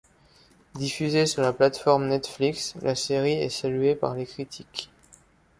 Diffusée sur la plateforme Netflix, la série est saluée par les critiques.